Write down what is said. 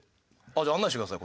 じゃあ案内してください